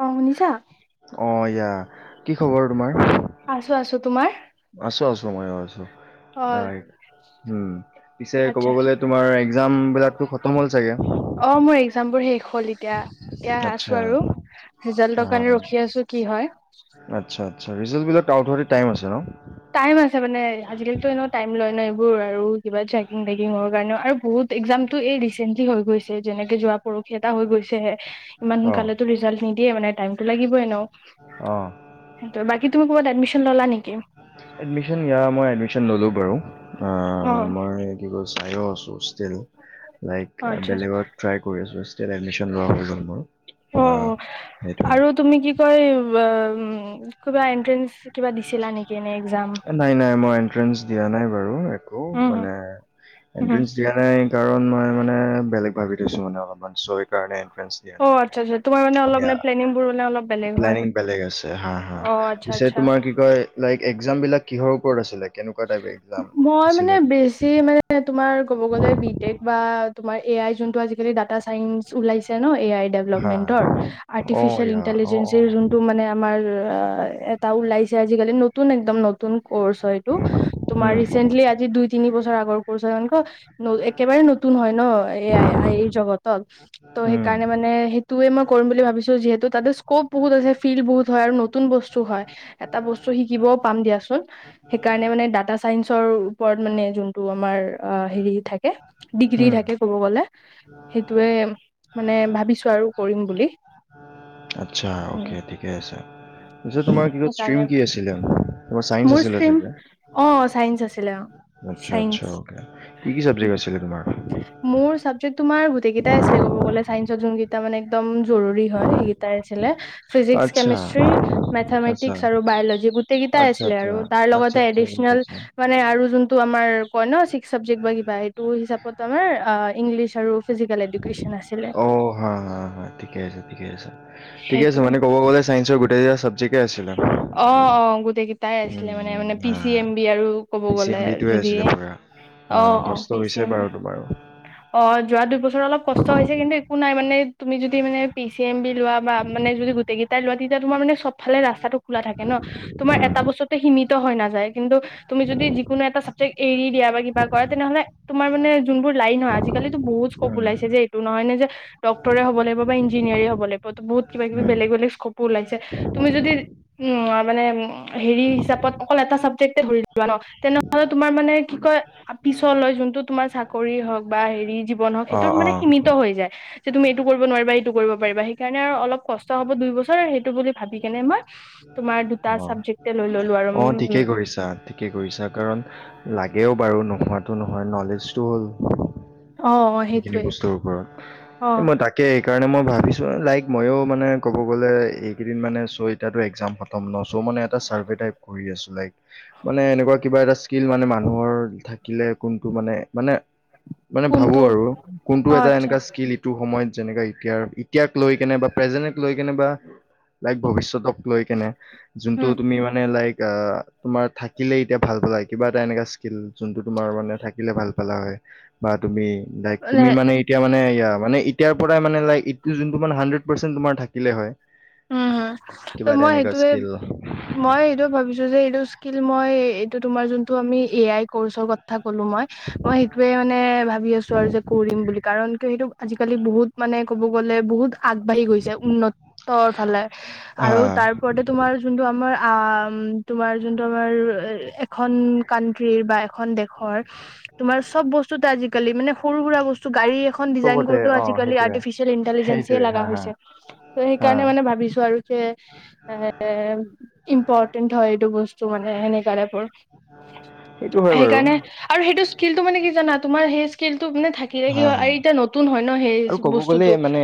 অ শুনিছা অ এয়া কি খবৰ তোমাৰ? আছো আছো তোমাৰ? আছো আছো মইয়ো আছো অ হয় উম পিছে ক'ব আচ্ছা আচ্ছা। গ'লে তোমাৰ একজাম বিলাক খতম হ'ল চাগে? অ মোৰ এক্জাম বোৰ শেষ হ'ল এতিয়া এতিয়া আছো আচ্ছা আৰু অ ৰিজাল্টৰ কাৰণে ৰখি আছো কি হয়। আচ্ছা আচ্ছা ৰিজাল্ট বিলাক আউট হওঁতে টাইম আছে ন টাইম আছে মানে আজিকালিতো এনেও টাইম লয় ন এইবোৰ আৰু একজাম টো এই ৰিচেণ্টলি হৈ গৈছে যেনেকে যোৱা পৰহি এটা হৈ গৈছেহে ইমান অ সোনকালে ৰিজাল্ট নিদিব। দিয়ে মানে টাইমটো লাগিব এনেও অ সেইটো বাকী তুমি ক'ৰবাত এডমিশ্যন ললা নেকি? এডমিশ্যন ইয়াৰ মই ললো বাৰু অ অহ মই কি কয়ছিলো। প্ৰায়য়ো আছুস্থ অ লাইক আচ্ছা আচ্ছা। বেলেগত ট্ৰাই কৰি আছো তেতিয়া এডমিশ্যন লোৱা হৈ গ'ল মোৰ। অ সেইটোৱে আৰু তুমি কি কয় উ কিবা এনট্ৰেন্স নাই নাই মই এন্ট্ৰেন্স দিয়া নাই বাৰু একো উম, হুম, মানে উম হুম, এণ্ট্ৰেন্স দিয়া নাই কাৰণ মই মানে বেলেগ ভাবি থৈছো মানে অলপমান চই কাৰণে অ আচ্ছা আচ্ছা তোমাৰ মানে অলপ সেয়া মানে প্লেনিংবোৰ মানে অলপ বেলেগ হয়। প্লেনিং বেলেগ আছে হা হা অ' আচ্ছা পিছে আচ্ছা। তোমাৰ কি কয় এইফালে এক এক্সাম বিলাক কিহৰ ওপৰত আছিলে কেনেকুৱা টাইপ এক্সাম? মই আছিলে মানে তোমাৰ বেছি মানে তোমাৰ কব গলে বি টেক বা তোমাৰ এ আই যোনটো আজি কালি ডাটা চাইন্স ওলাই ছে ন এ আই হা ডেভপমেন্টৰ অ আৰ্তিফিচিচিয়েল ইয়া অ ইন্টেলিজেন্ত অ যোন মানে আমাৰ [unintelligible] এটা ওলাইছে আজাকালি নতু নতুন একদম নতুন কৰ্চ হয়। টো তোমাল উম ৰেচেণ্টলী আজি দুই তিনি বছৰ তাৰ আগ [unintelligible] একেবাৰে নতুন হয় ন এ আই এই জগতত ত' উম সেইকাৰণে মানে সেই টোৱে মই কৰিম বুলি ভাবিছো যিহেতু তাতে স্কপ বহুত আছে ফিল্ড বহুত হয় আৰু নতুন বস্তু হয় এটা বস্তু শিকিবও পাম দিয়াচোন। সেইকাৰণে মানে ডাটা চাইন্সৰ ওপৰত মানে যোনটো হেৰি থাকে, ডিগ্ৰী উম থাকে ক'ব গলে সেইটোৱে মানে ভাবিছোঁ কৰিম বুলি। আচ্ছা, অ'কে ঠিকে আছে, পিছে তোমাৰ কি ক' ষ্ট্ৰীম সেইকাৰণে কি আছিলে? তোমাৰ চাইন্স মোৰ আছিলে ষ্ট্ৰীম চাগে? অ', চাইন্স আছ ছিলে অ। আচ্ছা, চাইন্স আচ্ছা, অ'কে কি কি চাবজেক্ট আছিলে তোমাৰ? টো তোমাৰ গোটেই কেইটা আছিলে ক'ব গ'লে চাইন্সত যোনকেইটা মানে একদম জৰুৰী হয়, সেইকেইটাই আছিলে ফিজিক্স, আচ্ছা কেমেষ্ট্ৰি, আচ্ছা মেথমেটিকস আৰু বায়লজি গোটেই আচ্ছা কেইটাই আচ্ছা আছিলে আৰু তাৰ আচ্ছা লগত আচ্ছা আচ্ছা গম ৰিছৱেল পাইছো। আৰু যোনটো আমাৰ কয় ন' চিক্স চাবজেক্ট বা সেইটো হিচাপত আমাৰ অ', ইংলিছ আৰু [unintelligible] আছিলে অ', হয়, হয়, ঠিকে আছ, ঠিকে আছে, ঠিকে আছে, মানে ক'ব গ'লে চাইন্সৰ গোটেইকেইটা চাবজেক্ট অ-অ গোটেই কি তাই আছিলে মানে উম মানে পি হা চি এম বি আৰু কব পি চি গলে এম বিটোৱে আছিলে পুৰা অ অ কষ্ট পি চি হৈছে এম, বাৰু তোমাৰো অ যোৱা দুবছৰ অলপ কষ্ট হৈছে কিন্তু একো নাই মানে তুমি যদি মানে পি চি এম বি লোৱা বা মানে যদি গোটেইকেইটাই লোৱা তেতিয়া তোমাৰ মানে চব ভালে খোলা থাকে ন তোমাৰ উম এটা বস্তুতে সিমিত। হৈ নাযায় কিন্তু তুমি যদি যিকোনো এটা চাবজেক্ট এৰি দিয়া বা কিবা কৰা তেনেহলে তোমাৰ মানে যোনবোৰ লাইন হয় আজিকালি বহুত স্কোপ উম ওলাইছে যে এইটো নহয় নে যে, ডক্টৰে হ'ব লাগিব বা ইঞ্জিনিয়াৰি হ'ব লাগিব বহুত কিবা কিবি উম বলেগ বেলেগ স্কপো ওলাইছে। তুমি যদি উম-উ মানে-উ হেৰি হিচাপত অকল এটা চাবজেক্টে ধৰি লোৱা ন, তেনেহলে তোমাৰ মানে কি কয়, পিছলৈ যোনটো তোমাৰ চাকৰি হওঁক বা হেৰি জীৱন হওক অ সেইটো অ মানে সীমিত হৈ যায়৷ যে তুমি এইটো কৰিব নোৱাৰিবা এইটো কৰিব পাৰিবা, সেইকাৰণে আৰু অলপ কষ্ট হ'ব দুই বছৰ সেইটো বুলি ভাবি কেনে মই তোমাৰ দুটা অ চাবজেক্টে লৈ ল অ ঠিকে কৰিছা, ঠিকে কৰিছা৷ কাৰণ লাগেও বাৰু নোহোৱাতো নহয়, নলেজটো হ'ল, অ সেইখিনি সেইটোৱে বস্তুৰ ওপৰত৷ অ এই মই তাকেই সেইকাৰণে মই ভাবিছো, লাইক মইও মানে ক'ব গ'লে এইকেইদিন মানে চ' এতিয়াতো একজাম খতম ন? চ' মানে এটা ছাৰ্ভে টাইপ কৰি আছো, লাইক মানে এনেকুৱা কিবা এটা স্কিল মানে মানুহৰ থাকিলে কোনটো মানে মানে মানে ভাবো কোনটো আৰু কোনটো অ এটা আচ্ছা এনেকা স্কিল ইটো সময়ত যেনেকা এতিয়াৰ, এতিয়াক লৈ কেনে বা প্ৰেজেন্টক লৈ কেনে বা লাইক ভৱিষ্যতক লৈ কেনে যোনটো উম তুমি মানে লাইক য়া, তোমাৰ থাকিলে এতিয়া ভাল পালা হয়, কিবা এটা এনেকুৱা স্কিল যোনটো তোমাৰ মানে থাকিলে ভাল পালা হয়, বা তুমি লাইক তুমি মানে এতিয়া মানে য়া, মানে ই ইয়াৰ পৰা মানে লাইক ইটো যোনটো মানে হাণ্ড্ৰেড পাৰ্চেণ্ট তোমাৰ থাকিলে হয় উম, হম কিবা এটা মই এনেকুৱা সেইটোয়ে, স্কিল মই সেইটো ভাবিছ টো, এইটো স্কিল মই এইটো তোমাৰ যোনটো আমি এ আই কৰ্চৰ কথা ক'লো মই, মই সেইটোয়ে মানে ভাবি আছোঁ আৰু যে, কৰিম বুলি কাৰণ কিয় সেইটো আজিকালি বহুত মানে ক'ব গ'লে বহুত আগবাঢ়ি গৈছে, উন্নত [unintelligible] ফালে, হা আৰু তাৰ ওপৰতে তোমাৰ যোনটো আম আ, তোমাৰ যোনটো আমাৰ-ৰ-এ, এখন কান্ট্ৰীৰ বা এখন দেশৰ, তোমাৰ চব বস্তুতে আজিকালি মানে সৰু সুৰা বস্তু গাড়ী এখন ডিজাইন চবতে কৰোঁতেও অ আজিকালি সেইটোয়ে আৰ্টিফিচিয়েল ইন্টেলিজেন্ঞ্চিয়ে সেইটোয়ে হা লাগা হা হৈছে৷ [unintelligible] হা সেইকাৰণে মানে ভাবিছোঁ আৰু যে, এ-এ ইম্পৰ্টেন্ট হয়, এইটো বস্তু মানে এনেকা টাইপৰ, সেইটো হয় বাৰু সেইকাৰণে আৰু সেইটো স্কিলটো মানে কি জানা? তোমাৰ সেই স্কিলটো মানে থাকিলে কি হা হয়, হা আৰু এতিয়া নতুন হয় ন আৰু সেই ক'ব গ'লে বস্তুটো মানে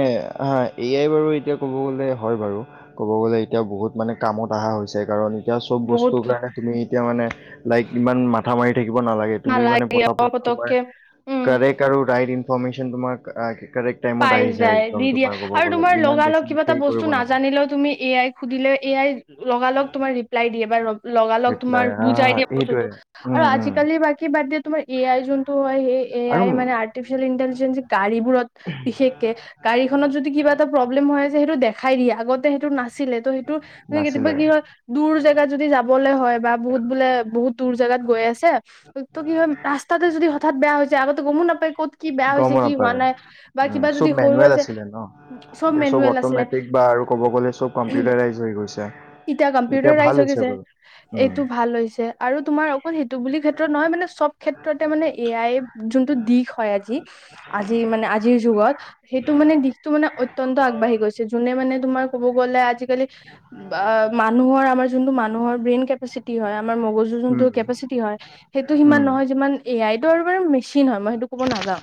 হা, এ আই বাৰু এতিয়া ক'ব গলে হয় বাৰু, ক'ব গ'লে এতিয়া বহুত মানে কামত অহা হৈছে, কাৰণ এতিয়া চব বহুত বস্তুৰ কাৰণে তুমি এতিয়া মানে লাইক ইমান মাথা মাৰি থাকিব নালাগে, তুমি মানে অ পতাপত তোমাৰ পতককে উম কাৰেক্ট আৰু ৰাইট ইনফৰ্মেশ্যন [unintelligible] পাই যায়, একদম দি দিয়ে তোমাৰ ক'ব আৰু গ'লে তোমাৰ ইমান বেছি লগালগ কিবা এটা হেৰি বস্তু কৰিব নালাগে নাজানিলেও তুমি এ আই সুধিলে এ আই লগালগ তোমাৰ ৰিপ্লাই দিয়ে বা লগালগ তোমাৰ ৰিপ্লাই বুজাই আহ দিয়ে সেইটোৱে বস্তুটো৷ আৰু উম উম আজিকালি বাকী বাদ দিয়া তোমাৰ এ আই যোনটো হয়, সেই এ আৰু আই মানে আৰ্টিফিচিয়েল ইন্টেলিজেন্ঞ্চ গাড়ীবোৰত বিশেষকে, গাড়ীখনত যদি কিবা এটা প্ৰব্লেম হৈ আছে সেইটো দেখাই দিয়ে আগতে সেইটো না ছিলে ত' সেইটো কেতিয়াবা নাছিলে কি হয়, দুৰ জেগাত যদি যাবলৈ হ বা বহুত বোলে বহুত দুৰ জেগাত গৈ আছে টো কি হয়, ৰাস্তাতে যদি হঠাৎ বেয়া হৈ যায় আগতে গমো নাপায় ক'ত কি বেয়া হৈছে, গমো কি হোৱা নাপায় নাই বা উম, কিবা চব যদি সৰু মেনুৱেল আছে আছিলে ন? এতিয়া চব মেনুৱেল আছিলে অট'মেটিক বা আৰু ক'ব গ'লে চব কম্পিউটাৰাইজ হৈ গৈছে। এতিয়া কম্পিউটাৰ ভাল ৰাইজ হৈ হৈছে গৈছে, বাৰু উম। এইটো ভাল হৈছে। আৰু তোমাৰ অকল সেইটো বুলি ক্ষেত্ৰত নহয় মানে চব ক্ষেত্ৰতে মানে এ আই যোনটো দিশ হয়, আজি, আজি মানে আজিৰ যুগত সেইটো মানে দিশটো মানে অত্যন্ত আগবাঢ়ি গৈছে যোনে মানে তোমাৰ ক'ব গ'লে আজিকালি বা মানুহৰ আমাৰ যোনটো মানুহৰ ব্ৰেইন কেপাচিটি হয় আমাৰ মগজুৰ উম যোনটো কেপাচিটি হয় সেইটো সিমান উম। নহয় যিমান এ আইটো আৰু মেচিন হয়, মই সেইটো ক'ব নাযাওঁ,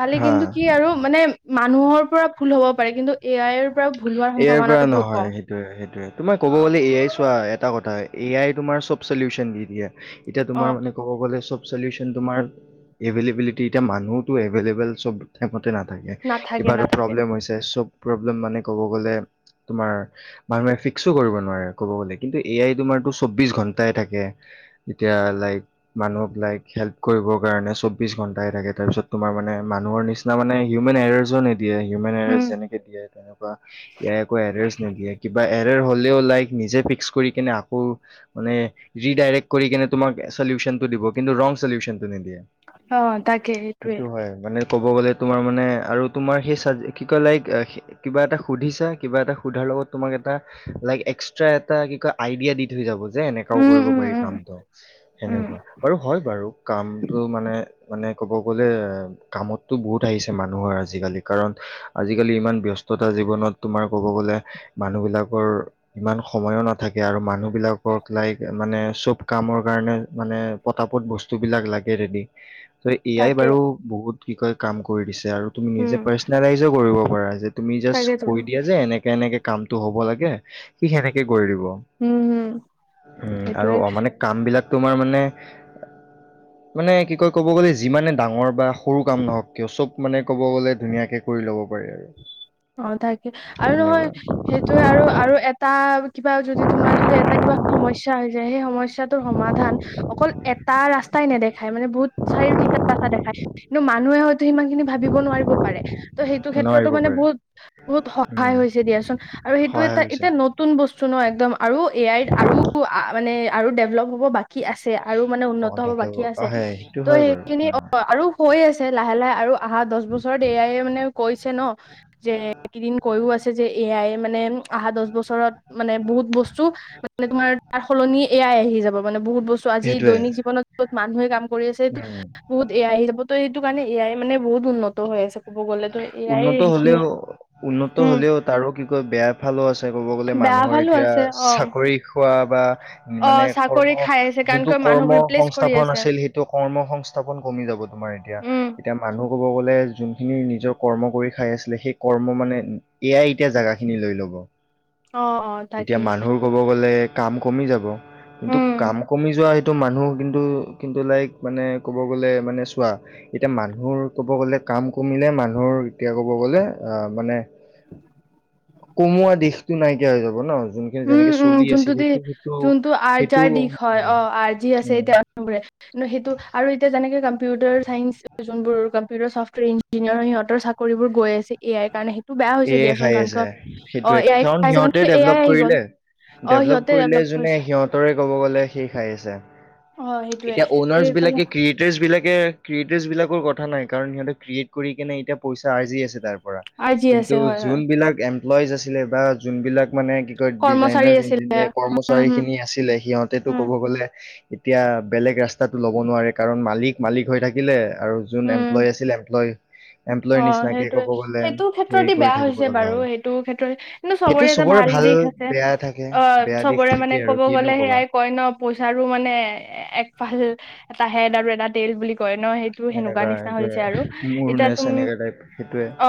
খালি হা কিন্তু কি আৰু মানে মানুহৰ পৰা ভুল হ'ব পাৰে কিন্তু এ আইৰ পৰা ভুল হোৱাৰ সম্ভাৱনাটো বহুত কম। সেইটোৱে, তোমাৰ ক'ব অ গ'লে এয়েই চোৱা। এটা কথা, এ আই তোমাৰ চব চলিউচন দি দিয়ে। এতিয়া, অ তোমাৰ মানে ক'ব গ'লে চব। চলিওচন তোমাটি এতিয়া মানুহো এভেইলেবল চব াইমতে ন থাকে, নাথাকে কিবা এটা নাথাকে প্ৰব্লেম হৈছে চব। প্ৰব্লেম মানে। ক'ব গ'লে তোমাৰ মানুহে ফিক্সো কৰিব নোৱাৰে। ক'ব গ'লে কিন্তু এ আই তোমাৰতো চৌবিশ ঘন্টাই থাকে। এতিয়া লাইক মানুহক লাইক হেল্প কৰিবৰ কাৰণে, চৌবিশ ঘন্টাই থাকে তাৰপিছত, তোমাৰ মানে মানুহৰ নিচিনা মানে হিউমেন এৰাৰজন। দিয়ে, হিমেন উম এৰেছ যেনেকে দিয়ে তেনেক। ইয়াৰ আকৌ এড্ৰেছ নিদিয়ে কিবা এ। ৰেৰ হ'লেও লাইক নিজে ফিক্সচ্ কৰি কিনে আকৌ, মানে ৰিডাইৰেক্ট কৰি কিনে তোমাক চলিউচনটো দিব কিন্তু ৰংক্ চলিউচন। অহ, তাকে এইটোৱে। হয় মানে ক'ব গ'লে তোমাৰ মানে আৰু তোমাৰ সেই চৰ কি কয় লাইক। কিবা এটা সুধিছা কিবা এটা সুধাৰ লগত তোমাক এটা লাইক এক্সট্ৰা এটা কি কয় আইডিয়া দি থৈ যাব। যে, এনেকাও উম কৰিব উম পাৰি উম কামটো উম সেনেকুৱা বাৰু হয়, বাৰু কামটো মানে মানে। ক'ব গ'লে এ কামততো বহুত আহিছে মানুহৰ আজিকালি কাৰণ, আজিকালি ইমান ব্যস্ত। তাতে জীৱনত তোমাৰ ক'ব গ'লে মানুহ বিলাকৰ, ইমান সময়ো নাথাকে আৰু মানুহ বিলাকক লাইক মানে, চব কামৰ কাৰণে, মানে পতাপত বস্তুবিলাক লাগে ৰেডি। ত' এ আই তাকে বাৰু বহুত। কি কয় কাম কৰি দিছে। আৰু তুমি উম নিজে পাৰ্চনেলাইজো কৰিব। পৰাজিত। তুমি জাষ্ট তাকেতো কৈ উম দিয়া যে, এনেকে এনেকে। কামতটো হ'ব লাগে সি সেনেকে। কৰিব। হম উম' আৰু সেইটোৱে অ' মানে কামবিলাক। তোমাৰ মানে, মানে কি কয় কব গ'লে যিমানে ডাঙৰ বা সৰু কাম নহওঁক কিয় চব মানে ক'ব গলে ধুনীয়াকে কৰি ল'ব পাৰি আৰু। অ' থাকে। আৰু নহয়, তেনেকুৱা সেইটোয়ে আৰু আৰু এটা। কিবা যদি তোমাৰ যদি এটা কিবা সমস্যা হৈ যায় সেই সমস্যাটোৰ সমাধান অকল এটা ৰাস্তাই নেদেখে। দেখাই মানে বহুত চাৰি তিনিত ৰাস্তা দেখায় কিন্তু, মানুহে হয়তো সিমান খিনি ভাবিব নোৱাৰিব পাৰে, সেইটো ক্ষেত্ৰতো নোৱাৰিব মানে পাৰে বহুত। বহুত সহায় উম হৈছে দিয়াচোন। আৰু সেইটো সহায় এটা হৈছে এতিয়া নতুন বস্তু ন একদম আৰু। এ আইত আৰু মানে আৰু ডেভেলপ হ'ব বাকী। কি আছে আৰু মানে অ উন্নত হব থাকে বাকী আছে। আহে সেইটো ত' হয় বাৰু সেইখিনি অ' আৰু হৈ আছে লাহে লাহে আৰু অহা দহ বছৰ এ আইয়ে মানে কৈছে ন। যে, এইকেইদিন কৈয়ো আছে যে এ আই। এ আই মানে। আহা দহ বছৰত মানে, বহুত বস্তু মানে তোমাৰ তাৰ সলনি। এ আই আহি যাব মানে। বহুত বস্তু আজি সেইটোৱে দৈনিক জীৱনত বহুত মানুহে কাম। কৰি আছে সেইটো উম বহুত এ আই আহি যাব এইটো। কাৰণে এ আই মানে বহুত উন্নত হৈ আছে ক'ব গ'লে। ত এ আই উন্নত ৰ হ'লেও উন্নত হ'লেও তাৰো কি কয় বেয়া ফালো আছে ক'ব গ'লে বেয়া মানুহৰ ভালো এতিয়া আছে অ'। চাকৰি খোৱা বা মানে অ' কৰ্ম চাকৰি খাই আছে কাৰণ যোনটো কিয় কৰ্ম মানুহক ৰিপ্লেচ কৰি সংস্থাপন আছে আছিল সেইটো কৰ্ম সংস্থাপন কমি যাব তোমাৰ এতিয়া, উম, এতিয়া মানুহ কব গ'লে যোন নিজক। কৰ্ম কৰি খাই আছিলে সেই কৰ্ম মানে এয়াই। এতিয়া জেগা খিনি লৈ ল'ব। অ' অ' এতিয়া তাকেই মানুহৰ ক'ব গলে। কাম কমি যাব। কিন্তু উম। কাম কমি যোৱা সেই। মানুহ কিন্তু কিন্তু লাইক মানে কব গ'লে মানে চোৱা, এতিয়া মানুহৰ কব গ'লে কাম কমিলে মানুহৰ এতিয়া কব গ'লে আহ মানে কমোৱা দিশটো নাইকিয়া হৈ যাব। হ'ব ন [unintelligible] উম উম চলি আছিল যোনটো দিশ, সেইটো সেইটো যোনটো সেইটো আৰ্জাৰ দিশ হয়, অ আৰ্জি আছে উম এতিয়াৰে কি সেইটো আৰু এতিয়া যেনেকে গাম। কম্পিউটাৰ চাইন্ঞ্চ যোন বোৰ কম্পিউটাৰ চফ। ইঞ্জিনিয়াৰ সিহঁতৰ চা। কৰিব গৈ আছে এ আই ত। কাৰণে, সেইটো বেয়া এ হৈছে দিয়াচোন খাই কাৰণ আছে ক, অ সেইটোৱে এ আই কাৰণ খাইছে, সিহঁতে এ ডেভলপ য়াই আহি গ'ল। কৰিলে অ' ডেভলপ সিহঁতে কৰিলে ডেভলপ যোনে, কৰিছে সিহতৰ। ক'ব গ'লে, সি খাই আছে। অ' সেইটোয়ে এতিয়া, অনাৰ্ছ সেইফালে বিলাকে, ক্ৰিয়েটাৰছ বিলাকে। গতিকে ক্ৰিয়েটাৰছ বিলাকৰ কথা নাই কাৰণ, সিহঁতে ক্ৰিয়েট কৰি কিনে এতিয়া পইচা আৰ্জি আছে তাৰ। আজি আছে, ত হয়, হয়। যোনবিলাক। এমপ্লইজ আছিলে, বা যোনবিলাক। মানে কি কয়, কৰ্মচাৰী ডিজাইনাৰ আছিলে ই্জিনিয়াৰ উম, কৰ্মচাৰী হম, খিনি আছিলে, সিহঁতেতটো উম, কব গ'লে। এতিয়া, বেলেগ ৰাস্তা। তাত ল'ব নোৱাৰে কাৰণ মালিক। মালিক হৈ থাকিলে আৰু যোন উম, এমপ্লয় আছিল এমপ্লয় এমপ্লয়ৰ অ', নিচিনাকে সেইটোয়ে, ক'ব গ'লে সেইটো ক্ষে ক্ষেত্ৰ হেৰি কৰি বেয়া থাকিব হৈছে লগা বাৰু হ'ল সেইটো ক্ষেত্ৰত কিন্তু সেইটো চবৰে এটা ভাল দিশ আছে বেয়া থাকে অ' বেয়া দিশ চবৰে মানে থাকে আৰু ক'ব কিনো গ'লে কবা সেয়াই কয় ন পইচাৰো মানে এক ভাল এটা হেড আৰু এটা তেইল বুলি কয় ন সেইটো সেনেকুৱা নিচিনা হৈছে আৰু এতিয়া তুম তেনেকাে টাইপ সেইটোয়ে। অ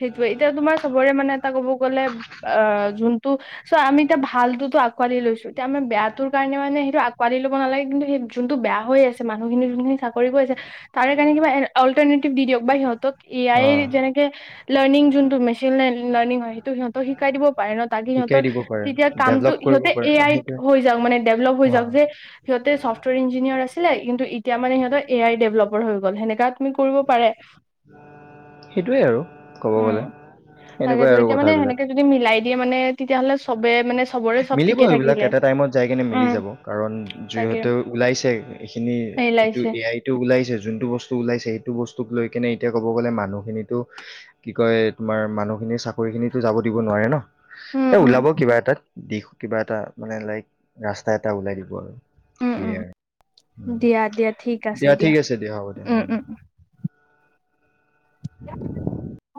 সেইটোয়ে এতিয়া তোমাৰ চবৰে মানে এটা ক'ব গলে অ' যোন চোৱা আমি এতিয়া ভালততো আঁকোৱালি লৈছো, এতিয়ামাৰ বেয়াটো কাৰণোনে সেইটো আঁকোৱালি লব নালাগে। সেই যোনটো বেয়া হৈ আছে মানুহখিনি যোনখিনি চাকৰি কৰি আছে তাৰে কাৰণ কা এল্টভ বা সিহতক এ আই অ যেনেকে লাৰ্নিং যোনটো মেচিন লাৰ্নিং সিহত শিকাই দিব পাৰে ন তাকে শিকাই সিহতৰ দিব পাৰে তেতিয়া কামটো ডেভলপ কৰিব সিহতে পাৰে এ অ, আইত সেইটোৱে হৈ য মে ডেভলপ হৈ অ যাওক যে সিহঁতে চফ্টৱেৰ ইঞ্জিনিয়াৰ আছিলে কিন্তু এতিয়া মানে সহঁতে এ আই ডেভেলপ হৈ গল সেনেকাত আমি কৰিব পাৰে। সেইটোৱে আৰু ক'ব উম গলে তাকেতো এনেকুৱাই আৰু এতিয়া মানে সেনেকে কথাবিলাক। যদি মিলাই দিয়ে মানে তেতিয়াহ'লে চবে মানে চবৰে চব মিলিব ঠিকে সেইবিলাক থাকিলে। এটা টাইমত যাই কেনে মিলি যাব কাৰণ তাকে, যিহেতু ওলাইছে এইখিনি এইটো মিলাইছে। এ আইটো ওলাইছে যোনটো বস্তু ওলাইছে সেইটো বস্তু লৈ কেনে এতিয়া ক'ব গ'লে মানুহখিনিতো কি কয়, তোমাৰ মানুহখিনিৰ চাকৰি খিনিতো যাব দিব নোৱাৰে ন। উম, এ উম, ওলাব কিবা এটা দিশ, কিবা এটা মানে লাইক ৰাস্তা এটা ওলাই দিব আৰু। উম, উম, সেইয়াই, উম, দিয়া দিয়া ঠিক দিয়া ঠিক আছে দিয়া, হ'ব দিয়া, উম। উম।